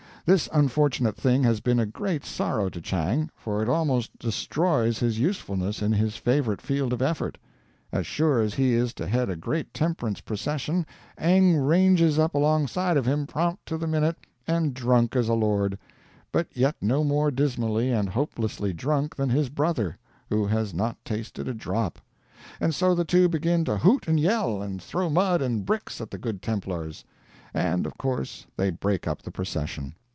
This unfortunate thing has been a great sorrow to Chang, for it almost destroys his usefulness in his favorite field of effort. As sure as he is to head a great temperance procession Eng ranges up alongside of him, prompt to the minute, and drunk as a lord; but yet no more dismally and hopelessly drunk than his brother, who has not tasted a drop. And so the two begin to hoot and yell, and throw mud and bricks at the Good Templars; and, of course, they break up the procession.